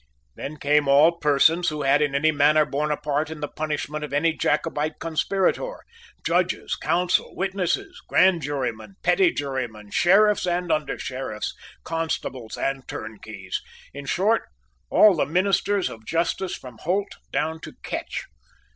Then came all persons who had in any manner borne a part in the punishment of any Jacobite conspirator; judges, counsel, witnesses, grand jurymen, petty jurymen, sheriffs and undersheriffs, constables and turnkeys, in short, all the ministers of justice from Holt down to Ketch.